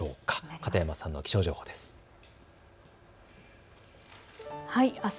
片山さんの気象情報です。